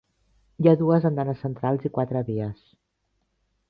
Hi ha dues andanes centrals i quatre vies.